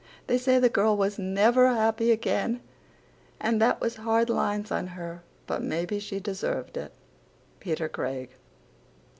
They say the girl was never happy again and that was hard lines on her but maybe she deserved it. PETER CRAIG.